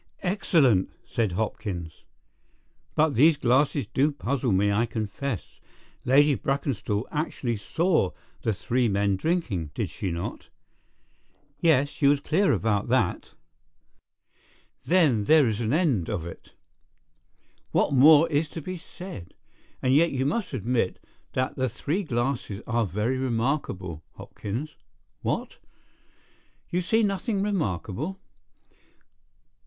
"Excellent!" said Hopkins. "But these glasses do puzzle me, I confess. Lady Brackenstall actually saw the three men drinking, did she not?" "Yes; she was clear about that." "Then there is an end of it. What more is to be said? And yet, you must admit, that the three glasses are very remarkable, Hopkins. What? You see nothing remarkable?